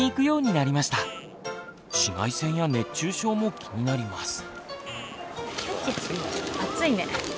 紫外線や熱中症も気になります。